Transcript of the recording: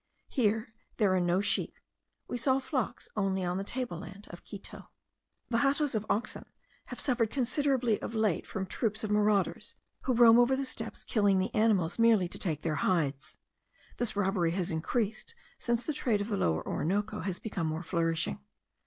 Here there are no sheep: we saw flocks only on the table land of Quito. The hatos of oxen have suffered considerably of late from troops of marauders, who roam over the steppes killing the animals merely to take their hides. This robbery has increased since the trade of the Lower Orinoco has become more flourishing.